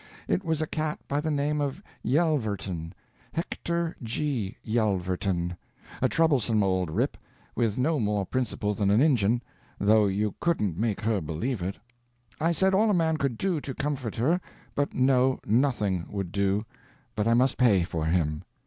It was a cat by the name of Yelverton Hector G. Yelverton a troublesome old rip, with no more principle than an Injun, though you couldn't make her believe it. I said all a man could to comfort her, but no, nothing would do but I must pay for him.